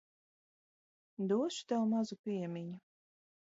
Došu tev mazu piemiņu.